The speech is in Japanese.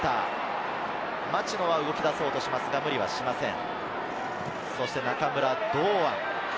町野は動き出そうとしますが無理はしません。